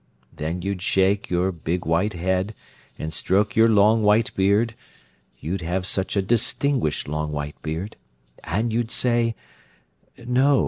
Then you'd shake your big white head and stroke your long white beard—you'd have such a distinguished long white beard! and you'd say, 'No.